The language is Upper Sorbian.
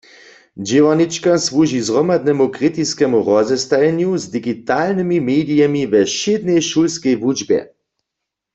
Dźěłarnička słuži zhromadnemu kritiskemu rozestajenju z digitalnymi medijemi we wšědnej šulskej wučbje.